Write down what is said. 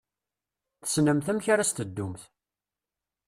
Tessnemt amek ara s-teddumt.